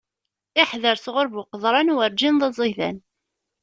Iḥder sɣuṛ bu qeḍran, werǧin d aẓidan.